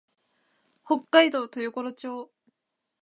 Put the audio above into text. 北海道豊頃町